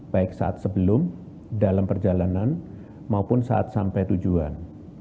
baik saat sebelum dalam perjalanan maupun saat sampai tujuan